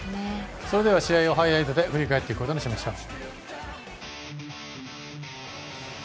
試合をハイライトで振り返っていくことにしましょう。